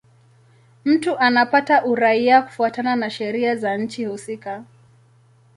Mtu anapata uraia kufuatana na sheria za nchi husika.